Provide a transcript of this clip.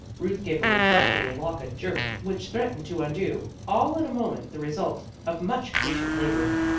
Ruth gave a refractory lock a jerk which threatened to undo, all in a moment, the result of much patient labor.